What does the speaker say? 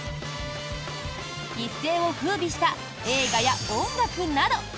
一世を風靡した映画や音楽など。